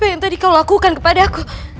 apa yang tadi kau lakukan kepada aku